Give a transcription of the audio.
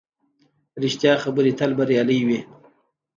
ریښتیا خبرې تل بریالۍ وي